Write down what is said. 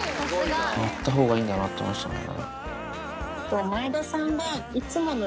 やった方がいいんだなって思いましたね。